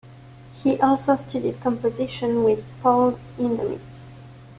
He also studied composition with Paul Hindemith.